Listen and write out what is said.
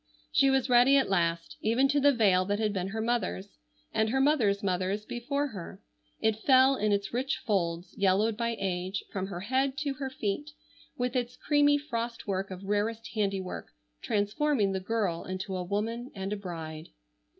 She was ready at last, even to the veil that had been her mother's, and her mother's mother's before her. It fell in its rich folds, yellowed by age, from her head to her feet, with its creamy frost work of rarest handiwork, transforming the girl into a woman and a bride.